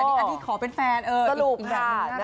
แต่อันนี้อันนี้ขอเป็นแฟนอีกแบบนึงนะครับ